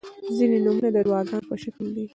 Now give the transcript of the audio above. • ځینې نومونه د دعاګانو په شکل دي.